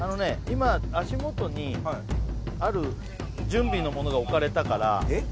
今足元にある準備のものが置かれたからえっ？